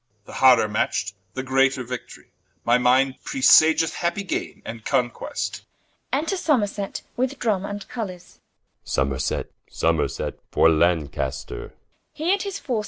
The harder matcht, the greater Victorie, My minde presageth happy gaine, and Conquest. Enter Somerset, with Drumme and Colours. Som. Somerset, Somerset, for Lancaster Rich.